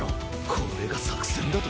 これが作戦だと？